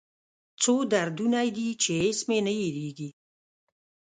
څو دردونه دي چې هېڅ مې نه هېریږي